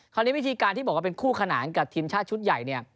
วิธีการที่บอกว่าเป็นคู่ขนานกับทีมชาติชุดใหญ่เนี่ย